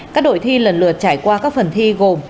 các đội thi lần lượt trải qua các phần thi gồm